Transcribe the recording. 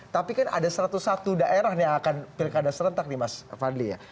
tapi kan ada satu ratus satu daerah yang akan pilkada serentak nih mas fadli ya